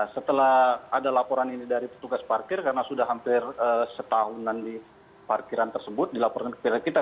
setelah ada laporan ini dari petugas parkir karena sudah hampir setahunan di parkiran tersebut dilaporkan kepada kita